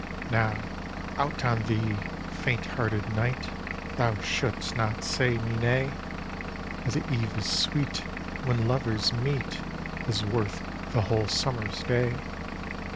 — '"Now, out on thee, faint hearted knightl Thou shouldst not say me nayj For the eve is sweet, and when lovers meet, Is worth the whole summer's day.